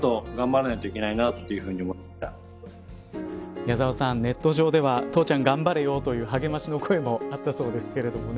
矢沢さん、ネット上では父ちゃん頑張れよという励ましの声もあったそうですけどね。